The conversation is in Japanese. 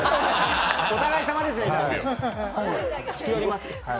お互いさまですよ。